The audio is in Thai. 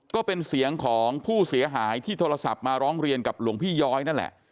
ก็เป็นเสียงของผู้เสียหายที่โทรศัพท์มาร้องเรียนกับหลวงพี่ย้อยนั่นแหละ